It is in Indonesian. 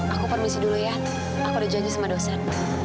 aku permisi dulu ya aku udah janji sama dosen